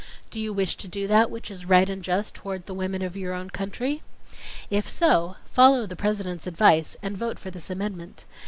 . Do you wish to do that which is right and just toward the women of your own country? If so, follow the President's advice and vote for this amendment.